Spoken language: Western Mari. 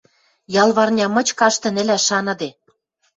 ял парня мыч каштын ӹлӓш шаныде.